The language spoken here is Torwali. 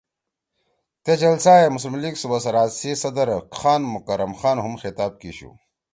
تے جلسہ ئے مسلم لیگ صوبہ سرحد سی صدر خان مکرم خان ہُم خطاب کیِشُو